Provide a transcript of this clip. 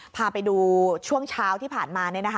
พาไปดูช่วงเช้าที่ผ่านมา